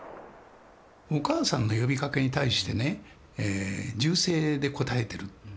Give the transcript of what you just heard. お母さんの呼びかけに対してね銃声で応えてる。